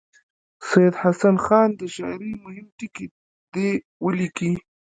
سید حسن خان د شاعرۍ مهم ټکي دې ولیکي.